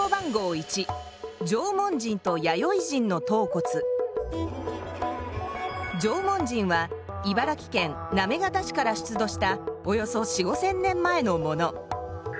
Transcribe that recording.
１縄文人は茨城県行方市から出土したおよそ４，０００５，０００年前のもの。